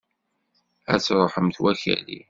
Ad truḥemt wakali!